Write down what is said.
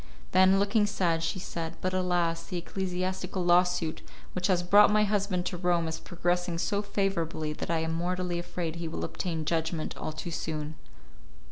Then, looking sad, she said, "But alas! the ecclesiastical lawsuit which has brought my husband to Rome is progressing so favourably that I am mortally afraid he will obtain judgment all too soon."